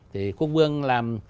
thì quốc vương làm